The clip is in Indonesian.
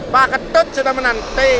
pak ketut sudah menanti